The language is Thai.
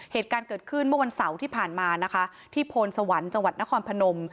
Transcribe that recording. เหตุการณ์เกิดขึ้นเมื่อวันเสาร์ที่ผ่านมานะคะที่โพนสวรรค์จังหวัดนครพนม